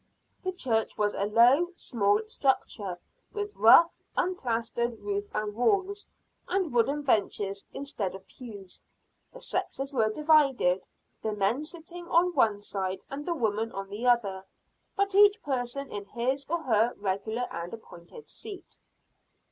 The church was a low, small structure, with rough, unplastered roof and walls, and wooden benches instead of pews. The sexes were divided, the men sitting on one side and the women on the other, but each person in his or her regular and appointed seat.